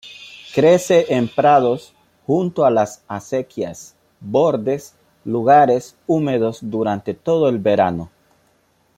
Crece en prados, junto a las acequias, bordes, lugares húmedos, durante todo el verano.